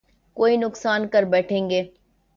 کوئی نقصان کر بیٹھیں گے